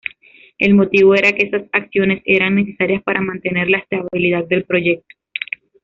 El motivo era que esas acciones eran necesarias para mantener la estabilidad del proyecto.